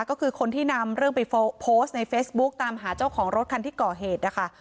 ก็คือคนที่นำเรื่องไปโพสต์ในเฟซบุ๊กตามหาเจ้าของรถคันที่ก่อเหตุนะคะ